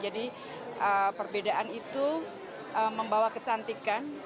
perbedaan itu membawa kecantikan